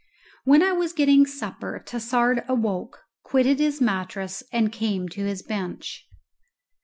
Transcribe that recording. When I was getting supper Tassard awoke, quitted his mattress, and came to his bench.